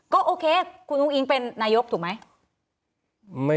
ก็โอเคคุณอุ้งอิ๊งเป็นนายกถูกไหม